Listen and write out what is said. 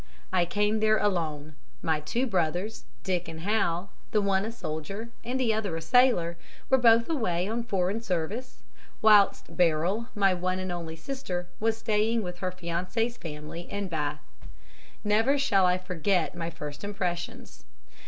I came there all alone my two brothers, Dick and Hal, the one a soldier and the other a sailor, were both away on foreign service, whilst Beryl, my one and only sister, was staying with her fiancé's family in Bath. Never shall I forget my first impressions.